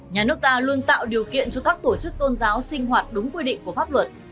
nhà nước ta luôn tạo điều kiện cho các tổ chức tôn giáo sinh hoạt đúng quy định của pháp luật